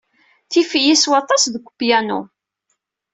Tif-iyi s waṭas deg upyanu.